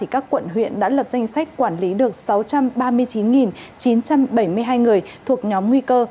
các quận huyện đã lập danh sách quản lý được sáu trăm ba mươi chín chín trăm bảy mươi hai người thuộc nhóm nguy cơ